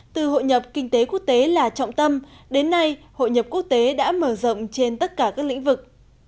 từ hội nhập kinh tế quốc tế là trọng tâm đến nay hội nhập quốc tế đã mở rộng trên tất cả các lĩnh vực